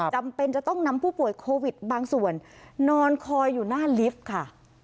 จำเป็นจะต้องนำผู้ป่วยโควิดบางส่วนนอนคอยอยู่หน้าลิฟต์ค่ะ